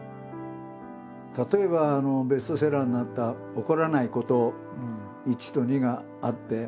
例えばベストセラーになった「怒らないこと」「１」と「２」があって。